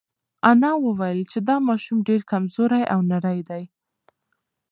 انا وویل چې دا ماشوم ډېر کمزوری او نری دی.